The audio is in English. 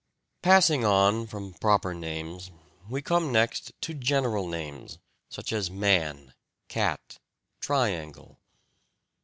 Passing on from proper names, we come next to general names, such as "man," "cat," "triangle."